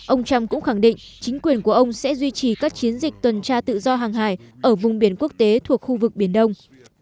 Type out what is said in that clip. ông trump cũng khẳng định chính quyền của ông sẽ duy trì các chiến dịch tuần tra tự do hàng hải ở vùng biển quốc tế thuộc khu vực biển đông